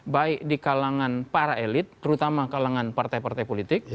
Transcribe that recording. baik di kalangan para elit terutama kalangan partai partai politik